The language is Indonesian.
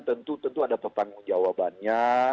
tentu tentu ada pertanggung jawabannya